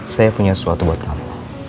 saya punya sesuatu buat kamu